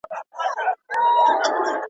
کرونا راغلې پر انسانانو.